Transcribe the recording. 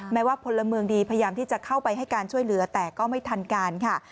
แม้ว่าพลเมืองดีพยายามที่จะเข้าไปให้การช่วยเหลือแต่ก็ไม่ทันการค่ะ